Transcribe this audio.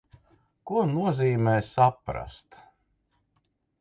Ko nozīmē saprast?